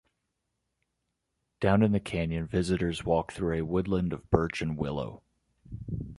Down in the canyon, visitors walk through a woodland of birch and willow.